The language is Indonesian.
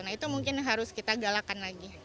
nah itu mungkin harus kita galakan lagi